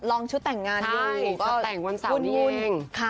ลองชุดแต่งงานอยู่ใช่ชอบแต่งวันเสาร์นี้เอง